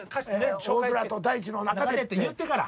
「大空と大地の中で」。って言ってから。